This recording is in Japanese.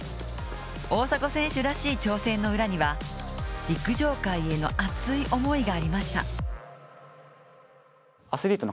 大迫選手らしい挑戦の裏には陸上界への熱い思いがありました。